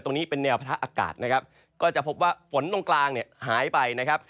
ตรงนี้เป็นแนวพระอากาศนะครับก็จะพบว่าฝนตรงกลางเนี่ยหายไปนะครับ